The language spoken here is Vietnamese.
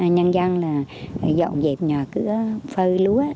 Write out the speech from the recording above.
nhân dân là dọn dẹp nhà cứ phơi lúa